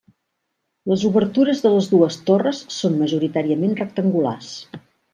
Les obertures de les dues torres són majoritàriament rectangulars.